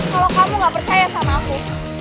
kalau kamu gak percaya sama aku